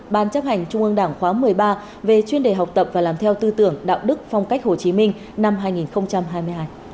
ban chấp hành trung ương đảng khóa một mươi ba về chuyên đề học tập và làm theo tư tưởng đạo đức phong cách hồ chí minh năm hai nghìn hai mươi hai